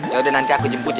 ya udah nanti aku jemput ya